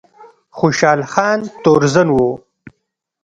خوشحال خان تورزن و